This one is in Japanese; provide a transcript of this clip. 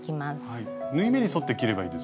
はい。